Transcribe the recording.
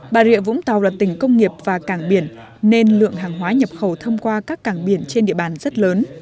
bà rịa vũng tàu là tỉnh công nghiệp và cảng biển nên lượng hàng hóa nhập khẩu thông qua các cảng biển trên địa bàn rất lớn